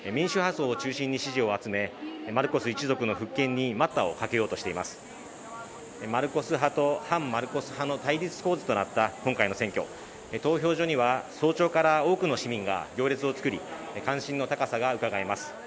層を中心に支持を集めマルコス一族の復権に待ったをかけようとしていますマルコス派と反マルコス派の対立構図となった今回の選挙で投票所には早朝から多くの市民が行列を作り関心の高さがうかがえます